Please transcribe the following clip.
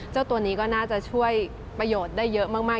เจ้าตัวนี้ก็น่าจะช่วยประโยชน์ได้เยอะมาก